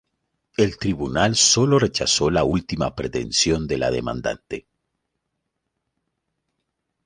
El tribunal sólo rechazó la última pretensión de la demandante.